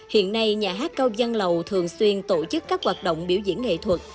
hiện nay nhà hát cao giang lầu thường xuyên tổ chức các hoạt động biểu diễn nghệ thuật